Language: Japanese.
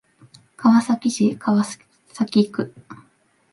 川崎市川崎区